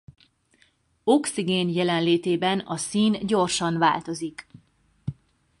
Oxigén jelenlétében a szín gyorsan változik.